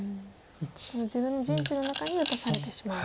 自分の陣地の中に打たされてしまうと。